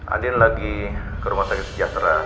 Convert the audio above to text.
aden lagi ke rumah sakit sejahtera